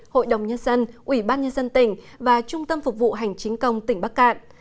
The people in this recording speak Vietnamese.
hội đồng nhân dân ủy ban nhân dân tỉnh và trung tâm phục vụ hành chính công tỉnh bắc cạn